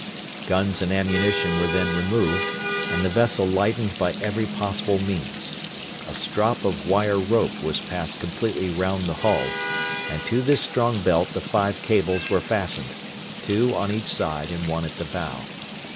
Guns and ammunition were then removed, and the vessel lightened by every possible means. A strop of wire rope was passed completely round the hull, and to this strong belt the five cables were fastened two on each side and one at the bow.